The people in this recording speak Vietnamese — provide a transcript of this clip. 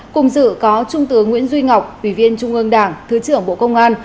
cùng dự có trung tướng nguyễn duy ngọc ủy viên trung ương đảng thứ trưởng bộ công an